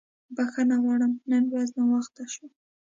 بښنه غواړم نن ورځ ناوخته شو.